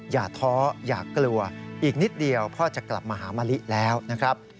อย่าท้ออย่ากลัวอีกนิดเดียวพ่อจะกลับมาหามะลิแล้วนะครับ